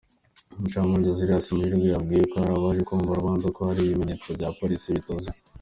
Umucamanza Julius Muhiirwe yabwiye abari baje kumva urubanza ko hari ibimenyetso bya Police bituzuye.